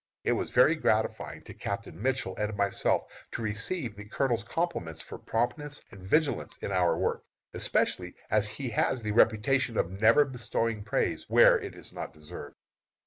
It was very gratifying to Captain Mitchell and myself to receive the colonel's compliments for promptness and vigilance in our work, especially as he has the reputation of never bestowing praise where it is not deserved.